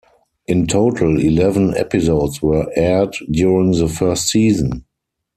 In total, eleven episodes were aired during the first season.